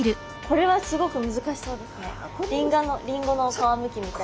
これは難しそうですね。